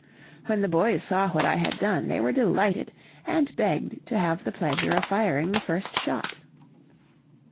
When the boys saw what I had done they were delighted, and begged to have the pleasure of firing the first shot.